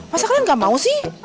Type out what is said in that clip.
masa kalian nggak mau sih